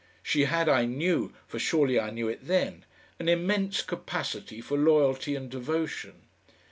She had, I knew for surely I knew it then an immense capacity for loyalty and devotion.